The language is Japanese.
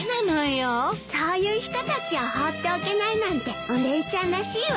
そういう人たちを放っておけないなんてお姉ちゃんらしいわ。